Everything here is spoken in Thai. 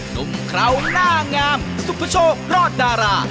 นุ่มคราวหน้างามซุปเปอร์โชว์รอดดารา